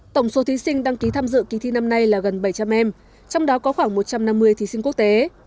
tổng số thí sinh đăng ký tham dự kỳ thi năm nay là gần bảy trăm linh em trong đó có khoảng một trăm năm mươi thí sinh quốc tế